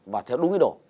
và theo đúng ý đồ